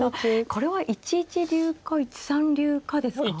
これは１一竜か１三竜かですか。